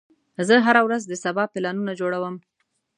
زه هره ورځ د سبا پلانونه جوړوم.